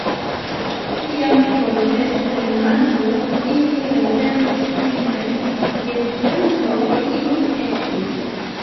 Kiam por vespermanĝo ili revenis hejmen, gefianĉoj ili estis.